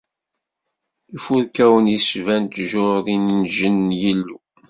Ifurkawen-is cban ttjur n yingel n Yillu.